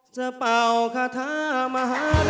จะเป้าคาทะมหาธรรม